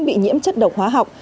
bị nhiễm chất độc hóa học